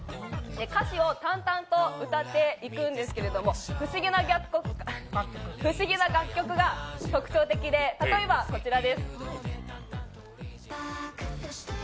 歌詞を淡々と歌っていくんですけれども、不思議な楽曲が特徴的で、例えばこちらです。